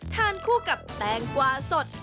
ทานคู่กับแตงกวาสด